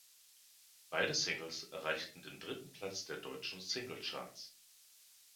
Beide Singles erreichten den dritten Platz der deutschen Singlecharts.